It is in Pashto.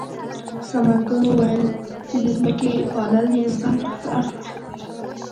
ثمرګل وویل چې د ځمکې پالل د انسان روح ته ارامتیا بښي.